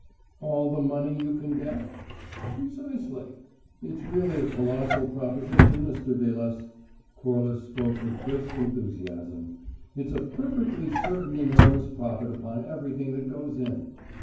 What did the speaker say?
"All the money you can get?" "Precisely. It's really a colossal proposition, Mr. Vilas." Corliss spoke with brisk enthusiasm. "It's a perfectly certain enormous profit upon everything that goes in.